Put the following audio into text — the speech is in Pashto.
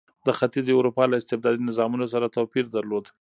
د ختیځې اروپا له استبدادي نظامونو سره توپیر درلود.